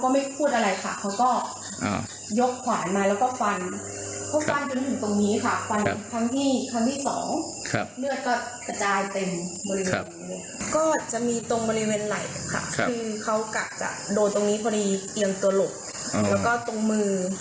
มีเกียงตัวหลบแล้วก็ตรงมือ